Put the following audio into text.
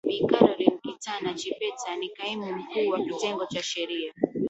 Bi Caroline kitana Chipeta ni Kaimu Mkuu wa Kitengo cha sheria